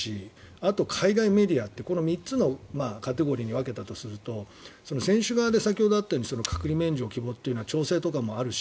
あと、海外メディアってこの３つのカテゴリーに分けたとすると選手側で先ほどあったように隔離免除希望というのは調整とかもあるし